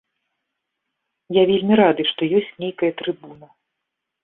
Я вельмі рады, што ёсць нейкая трыбуна.